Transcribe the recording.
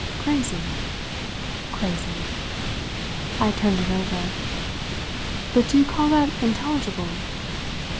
"Crazy?" "Crazy." I turned it over. "But do you call that intelligible?"